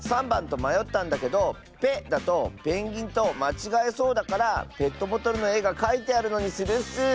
３ばんとまよったんだけど「ペ」だとペンギンとまちがえそうだからペットボトルのえがかいてあるのにするッス！